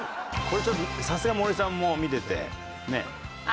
これちょっとさすがに森さんも見ててねえ。